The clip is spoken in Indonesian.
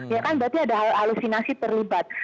ya kan berarti ada halusinasi terlibat